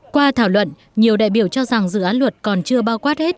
qua thảo luận nhiều đại biểu cho rằng dự án luật còn chưa bao quát hết